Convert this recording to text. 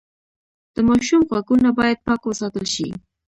د ماشوم غوږونه باید پاک وساتل شي۔